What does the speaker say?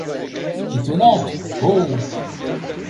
Étonnante, oh!